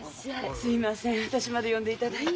すいません私まで呼んでいただいて。